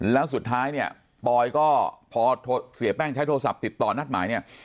แล้วสุดท้ายเนี่ยปอยก็พอเสียแป้งใช้โทรศัพท์ติดต่อนัดหมายเนี่ย